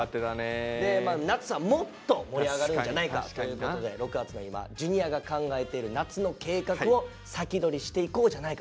夏はもっと盛り上がるんじゃないかということで６月の今Ｊｒ．が考えてる夏の計画を先取りしていこうじゃないかと。